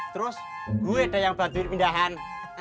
terus gue ada yang bantuin pindahan